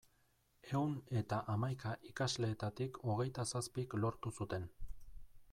Ehun eta hamaika ikasleetatik hogeita zazpik lortu zuten.